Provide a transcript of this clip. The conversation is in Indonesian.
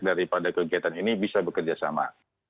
daripada kegiatan ini bisa bekerjasama